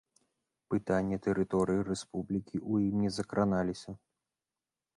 Пытанні тэрыторыі рэспублікі ў ім не закраналіся.